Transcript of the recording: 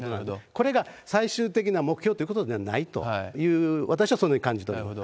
これが最終的な目標ということではないという、私はそのように感じております。